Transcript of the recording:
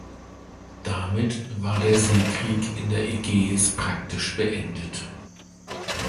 Damit war der Seekrieg in der Ägäis praktisch beendet.